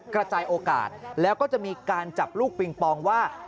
กระจายโอกาสแล้วก็จะมีการจับลูกปิงปองว่า